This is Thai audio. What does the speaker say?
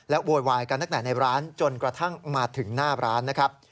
โวยวายกันตั้งแต่ในร้านจนกระทั่งมาถึงหน้าร้านนะครับ